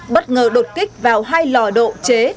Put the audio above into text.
bất ngờ đột kích vào hai lò độ chế